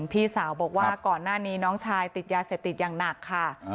พี่สาวบอกว่าก่อนหน้านี้น้องชายติดยาเสพติดอย่างหนักค่ะ